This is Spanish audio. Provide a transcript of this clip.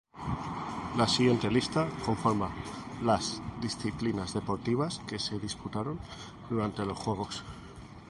La siguiente lista conforma las disciplinas deportivas que se disputaron durante los juegos.